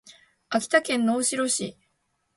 秋田県能代市